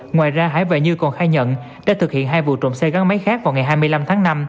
ngoài ra hải và như còn khai nhận đã thực hiện hai vụ trộm xe gắn máy khác vào ngày hai mươi năm tháng năm